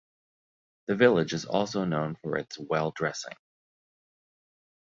The village is also known for its well dressing.